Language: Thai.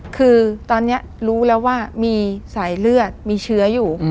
คือตอนนี้รู้แล้วว่ามีสายเลือดมีเชื้ออยู่